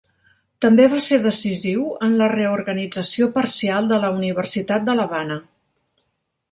També va ser decisiu en la reorganització parcial de la Universitat de l'Havana.